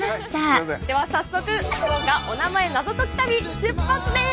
では早速福岡おなまえナゾ解き旅出発です！